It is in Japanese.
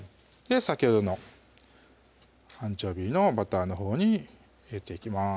先ほどのアンチョビーのバターのほうに入れていきます